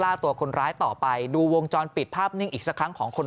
ตัวคนร้ายต่อไปดูวงจรปิดภาพนิ่งอีกสักครั้งของคน